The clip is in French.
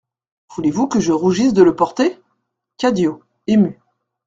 Voulez-vous que je rougisse de le porter ? CADIO, ému.